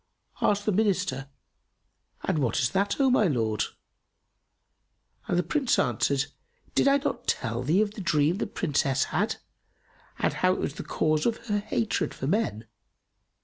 Asked the Minister, "And what is that, O my lord?"; and the Prince answered, "Did I not tell thee of the dream the Princess had and how it was the cause of her hatred for men?"